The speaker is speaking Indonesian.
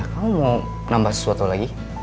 mau nambah sesuatu lagi